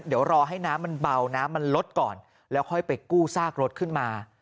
เดี๋ยวรอให้น้ำมันเบาน้ำมันลดก่อนแล้วค่อยไปกู้ซากรถขึ้นมา